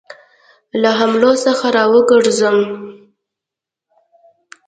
له حملو څخه را وګرځوم.